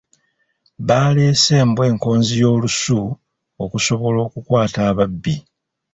Baleese embwa enkonzi y’olusu okusobala okukwata ababbi.